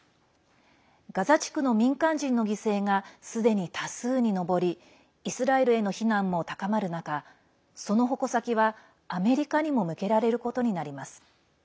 ガザ地区の民間人の犠牲がすでに多数に上りイスラエルへの非難も高まる中その矛先は、アメリカにも向けられることになります。